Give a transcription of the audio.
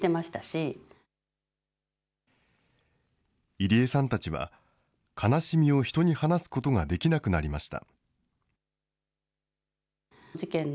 入江さんたちは、悲しみを人に話すことができなくなりました。